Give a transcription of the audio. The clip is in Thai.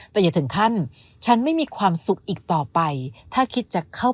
แต่อย่าถึงขั้นฉันไม่มีความสุขอีกต่อไปถ้าคิดจะเข้า